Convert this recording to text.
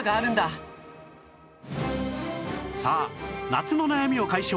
さあ夏の悩みを解消